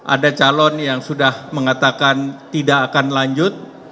ada calon yang sudah mengatakan tidak akan lanjut